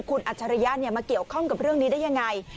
คุณอัจฉริยะมาเกี่ยวข้องกับเรื่องนี้ได้ยังไง